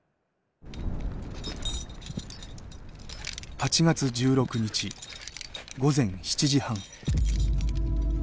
８月１６日午前７時半。